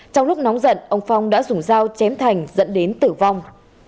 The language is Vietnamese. trong lúc nóng giận ông phong đã dùng dao chém thành dẫn đến tử vong